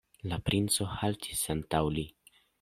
La princo haltis antaŭ li.